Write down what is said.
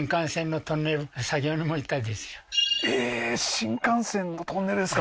新幹線のトンネルですか